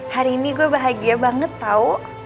hari ini gue bahagia banget tau